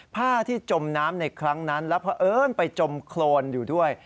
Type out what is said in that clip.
ผ้าที่จมน้ำในครั้งนั้นแล้วเพราะเอิญไปจมโครนอยู่ด้วย